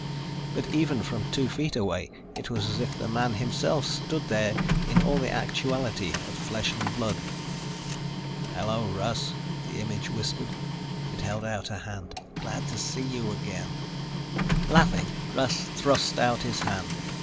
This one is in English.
But even from two feet away, it was as if the man himself stood there in all the actuality of flesh and blood. "Hello, Russ," the image whispered. It held out a hand. "Glad to see you again." Laughing, Russ thrust out his hand.